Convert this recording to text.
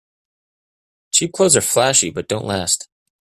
Cheap clothes are flashy but don't last.